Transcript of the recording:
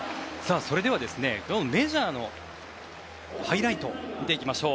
それではメジャーのハイライトを見ていきましょう。